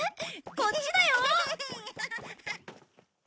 こっちだよ。